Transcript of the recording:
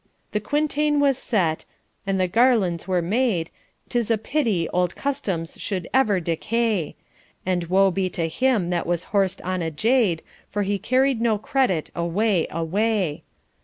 The quintain was set, and the garlands were made, 'T is pity old customs should ever decay; And woe be to him that was horsed on a jade, For he carried no credit away, away.